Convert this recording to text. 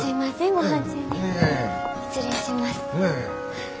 失礼します。